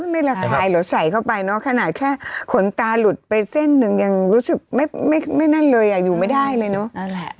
ไม่ระคายเหรอใส่เข้าไปเนอะขนาดแค่ขนตาหลุดไปเส้นหนึ่งยังรู้สึกไม่นั่นเลยอยู่ไม่ได้เลยเนอะนั่นแหละ